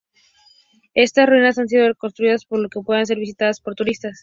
Estas ruinas han sido reconstruidas, por lo que pueden ser visitadas por turistas.